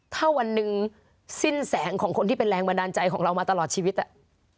ถ้าวันหนึ่งสิ้นแสงของคนที่เป็นแรงบันดาลใจของเรามาตลอดชีวิตอ่ะ